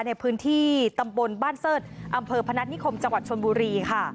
ในพื้นที่ตำบลบ้านเสิร์ธอำเภอพนัฐนิคมจังหวัดชนบุรีค่ะ